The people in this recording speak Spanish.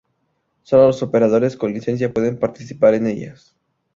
Solo los operadores con licencia pueden participar en ellas.